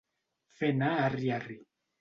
Fer anar arri-arri.